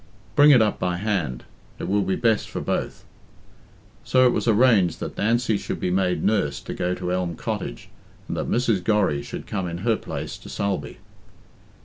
Bring it up by hand. It will be best for both." So it was arranged that Nancy should be made nurse and go to Elm Cottage, and that Mrs. Gorry should come in her place to Sulby.